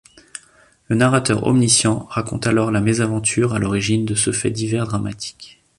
Le narrateur omniscient raconte alors la mésaventure à l'origine de ce fait divers dramatique.